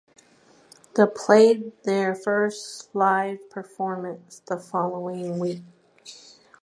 The played their first live performance the following week.